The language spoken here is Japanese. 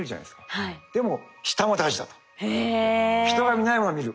「人が見ないものを見る」